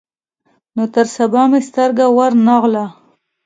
نو تر سبا مې سترګه ور نه غله.